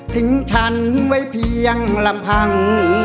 ฉันไว้เพียงลำพัง